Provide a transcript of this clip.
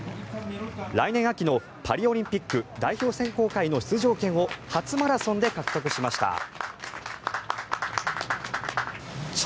来年秋のパリオリンピック代表選考会の出場権を初マラソンで獲得しました。